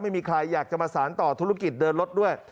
ไม่มีใครอยากจะมาสารต่อธุรกิจเดินรถด้วย